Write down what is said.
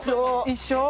一緒！